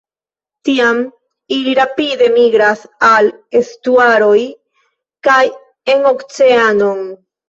Tiam, ili rapide migras al estuaroj kaj en oceanon.